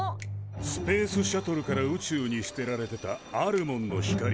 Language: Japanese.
スペースシャトルから宇宙に捨てられてたあるモンの光なんだ。